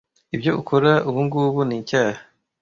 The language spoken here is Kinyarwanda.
Ibyo ukora ubungubu nicyaha.